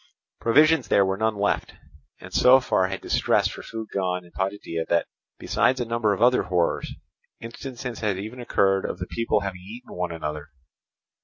Provisions there were none left; and so far had distress for food gone in Potidæa that, besides a number of other horrors, instances had even occurred of the people having eaten one another.